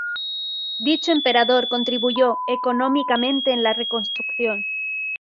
Dicho emperador contribuyó económicamente en la reconstrucción.